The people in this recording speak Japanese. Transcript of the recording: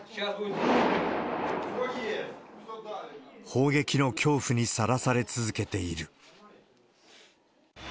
砲撃の恐怖にさらされ続けている。